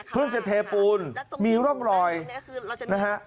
จะเทปูนมีร่องรอยนะฮะ